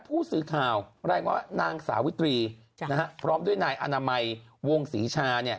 ผู้สื่อข่าวแรงว่านางสาวิตรีพร้อมด้วยนายอนามัยวงศรีชา